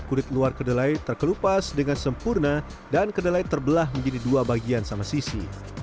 kulit luar kedelai terkelupas dengan sempurna dan kedelai terbelah menjadi dua bagian sama sisi